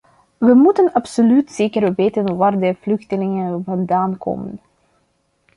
We moeten absoluut zeker weten waar de vluchtelingen vandaan komen.